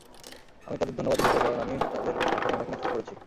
আমি তাঁদের ধন্যবাদ দিতে চাই, কারণ আমি তাঁদের পাঠানো অনেক মেসেজ পড়েছি।